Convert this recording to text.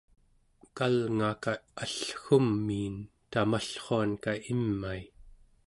kalngaka allgumiin tamallruanka imai